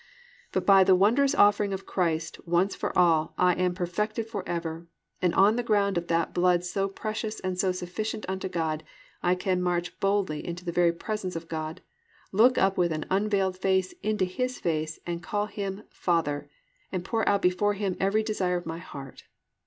But by the wondrous offering of Christ "once for all" I am "perfected forever," and on the ground of that blood so precious and so sufficient unto God, I can march boldly into the very presence of God, look up with unveiled face into His face and call Him "Father," and pour out before Him every desire of my heart.